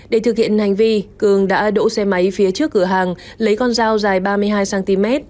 để thực hiện hành vi cường đã đỗ xe máy phía trước cửa hàng lấy con dao dài ba mươi hai cm